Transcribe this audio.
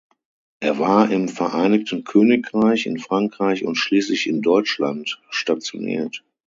Er war im Vereinigten Königreich, in Frankreich und schließlich in Deutschland stationiert.